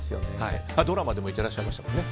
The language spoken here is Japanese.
ドラマでも行っていらっしゃいましたね